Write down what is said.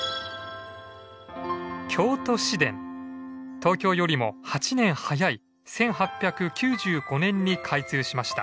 東京よりも８年早い１８９５年に開通しました。